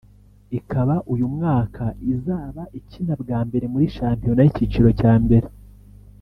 ikaba uyu mwaka izaba ikina bwa mbere muri shampiona y’icyiciro cya mbere